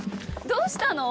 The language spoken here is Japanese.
どうしたの？